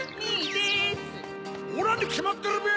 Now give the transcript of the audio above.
おらにきまってるべ！